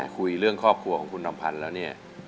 คุยเรื่องครอบครัวของคุณลำพันธ์แล้วเนี่ย